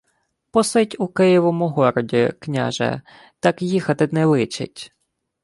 — Посидь у Києвому городі, княже, так їхати не личить.